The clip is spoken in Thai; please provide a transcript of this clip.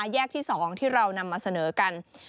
แยกที่๒ที่เรานำมาเสนอกัน